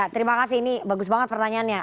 terima kasih ini bagus banget pertanyaannya